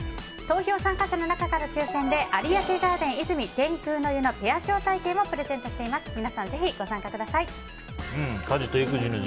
投票参加者の中から抽選で有明ガーデン泉天空の湯のペア招待券をプレゼントしています。